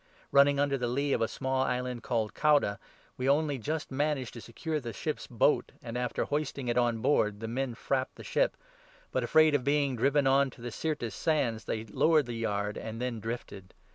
Running under the lee 16 of a small island called Cauda, we only just managed to secure the ship's boat, and, after hoisting it on board, the men frapped 17 the ship. But, afraid of being driven on to the Syrtis Sands, they lowered the yard, and then drifted.